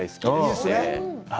そうですね。